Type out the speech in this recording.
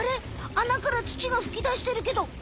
あなから土がふき出してるけど。